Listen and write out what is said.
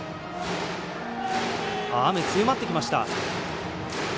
雨、強まってきました。